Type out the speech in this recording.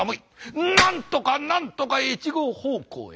なんとかなんとか越後方向へ。